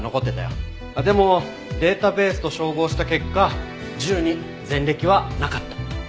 でもデータベースと照合した結果銃に前歴はなかった。